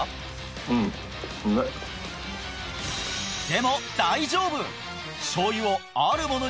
うんでも大丈夫！